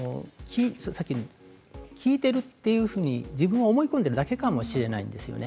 効いているというふうに自分が思い込んでいるだけかもしれないですよね。